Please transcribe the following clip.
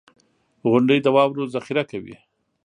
• غونډۍ د واورو ذخېره کوي.